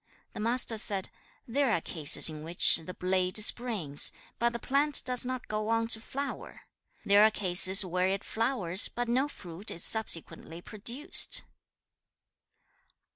The Master said, 'There are cases in which the blade springs, but the plant does not go on to flower! There are cases where it flowers, but no fruit is subsequently produced!'